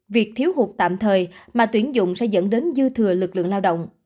việc thiếu hụt tạm thời mà tuyển dụng sẽ dẫn đến dư thừa lực lượng lao động